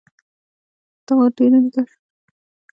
• په دغو ډبرینو کشفیاتو کې د کنفوسیوس د کورنۍ هېڅ آثار نهشته.